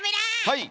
はい。